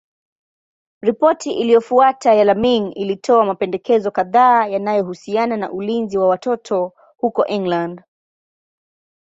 Ripoti iliyofuata ya Laming ilitoa mapendekezo kadhaa yanayohusiana na ulinzi wa watoto huko England.